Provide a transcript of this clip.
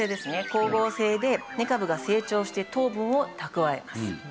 光合成で根株が成長して糖分を蓄えます。